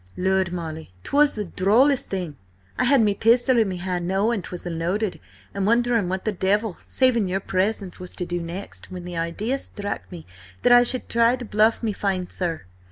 "Lud, Molly, 'twas the drollest thing! I had me pistol in me hand, knowing 'twas unloaded, and wondering what the devil, saving your presence, was to do next, when the idea struck me that I should try to bluff me fine sir.